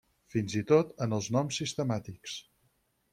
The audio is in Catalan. Fins i tot en els noms sistemàtics.